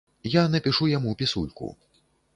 Я напішу яму пісульку.